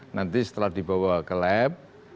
nanti setelah dibawa ke lab